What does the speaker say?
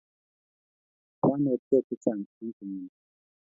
Kwanetke chechang' eng' kenyini.